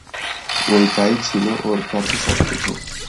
এটাই ছিল ওর কাছে সবকিছু!